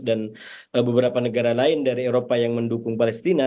dan beberapa negara lain dari eropa yang mendukung palestina